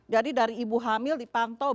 jadi dari ibu hamil dipantau